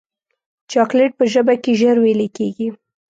چاکلېټ په ژبه کې ژر ویلې کېږي.